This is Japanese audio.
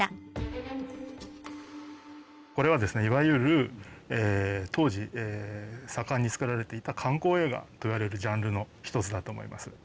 これはですねいわゆる当時盛んに作られていた観光映画といわれるジャンルの一つだと思います。